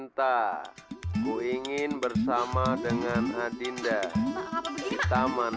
buruan baca ngap mah